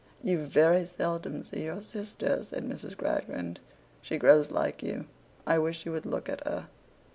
'You very seldom see your sister,' said Mrs. Gradgrind. 'She grows like you. I wish you would look at her.